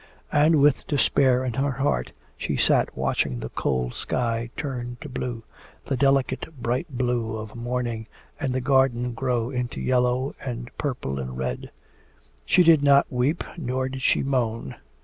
And with despair in her heart she sat watching the cold sky turn to blue, the delicate, bright blue of morning, and the garden grow into yellow and purple and red. She did not weep, nor did she moan.